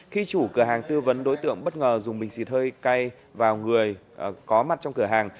khi chủ cửa hàng tư vấn đối tượng bất ngờ dùng bình xịt hơi cay vào người có mặt trong cửa hàng